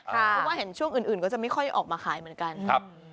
เพราะว่าเห็นช่วงอื่นก็จะไม่ค่อยออกมาขายเหมือนกัน